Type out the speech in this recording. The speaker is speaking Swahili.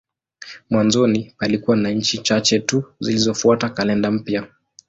Mwanzoni palikuwa na nchi chache tu zilizofuata kalenda mpya.